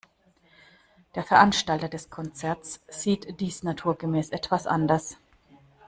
Der Veranstalter des Konzerts sieht dies naturgemäß etwas anders.